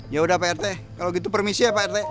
yaudah pak rt kalau gitu permisi ya pak rt